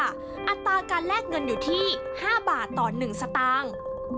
อัตราการแลกเงินอยู่ที่๕บาทต่อ๑สตางค์